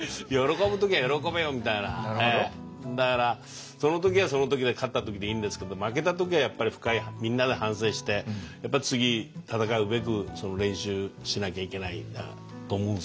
だからその時はその時で勝った時でいいんですけど負けた時はやっぱりみんなで反省してやっぱり次戦うべくその練習しなきゃいけないんだと思うんですけどね。